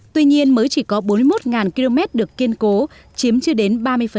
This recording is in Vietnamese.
tuy nhiên mới chỉ có bốn mươi một km được kiên cố chiếm chưa đến ba mươi